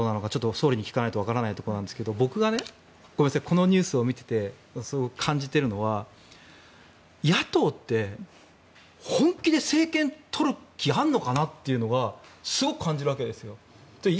総理に聞かないとわからないところですが僕がこのニュースを見ていて感じているのは野党って本気で政権取る気あるのかなというのがすごく感じるわけですよ。